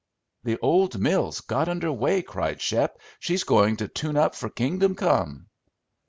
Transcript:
"The old mill's got under way," cried Shep. "She's going to tune up for Kingdom Come."